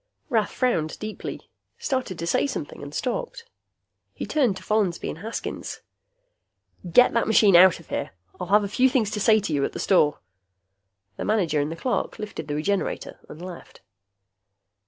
Rath frowned deeply, started to say something, and stopped. He turned to Follansby and Haskins. "Get that machine out of here. I'll have a few things to say to you at the store." The manager and the clerk lifted the Regenerator and left.